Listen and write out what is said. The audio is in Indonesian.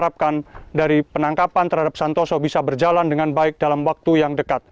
harapkan dari penangkapan terhadap santoso bisa berjalan dengan baik dalam waktu yang dekat